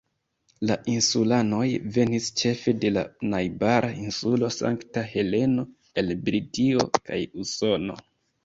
La insulanoj venis ĉefe de la najbara insulo Sankta Heleno, el Britio kaj Usono.